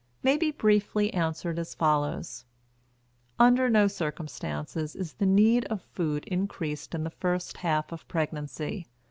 may be briefly answered as follows: Under no circumstances is the need of food increased in the first half of pregnancy.